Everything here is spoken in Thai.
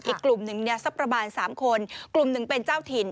อีกกลุ่มหนึ่งเนี่ยสักประมาณ๓คนกลุ่มหนึ่งเป็นเจ้าถิ่น